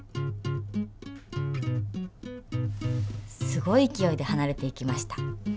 すごい勢いで離れていきました。